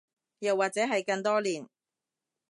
又或者係更多年